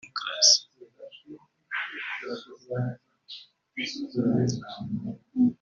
ryagiraga riti “Uburenganzira ku gukora amahuriro mu ituze ni ingenzi muri demukarasi